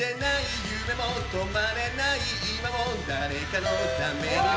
「誰かのために」